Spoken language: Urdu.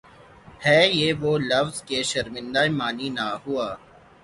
ہے یہ وہ لفظ کہ شرمندۂ معنی نہ ہوا